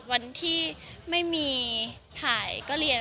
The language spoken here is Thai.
วันที่ไม่มีถ่ายก็เรียน